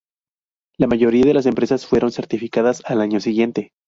La mayoría de las empresas fueron certificadas al año siguiente.